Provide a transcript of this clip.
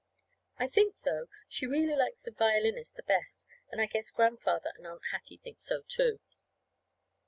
I think, though, she really likes the violinist the best; and I guess Grandfather and Aunt Hattie think so, too.